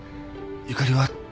ゆかりは？